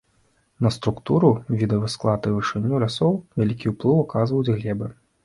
На структуру, відавы склад і вышыню лясоў вялікі ўплыў аказваюць глебы.